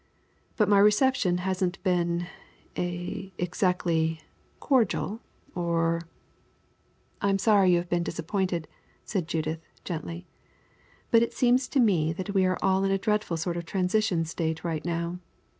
But my reception hasn't been a exactly cordial or " "I am sorry you have been disappointed," said Judith, gently; "but it seems to me that we are all in a dreadful sort of transition state now.